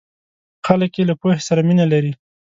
خلک یې له پوهې سره مینه لري.